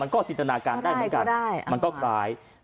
มันก็ติจนาการได้เหมือนกันมันก็กลาย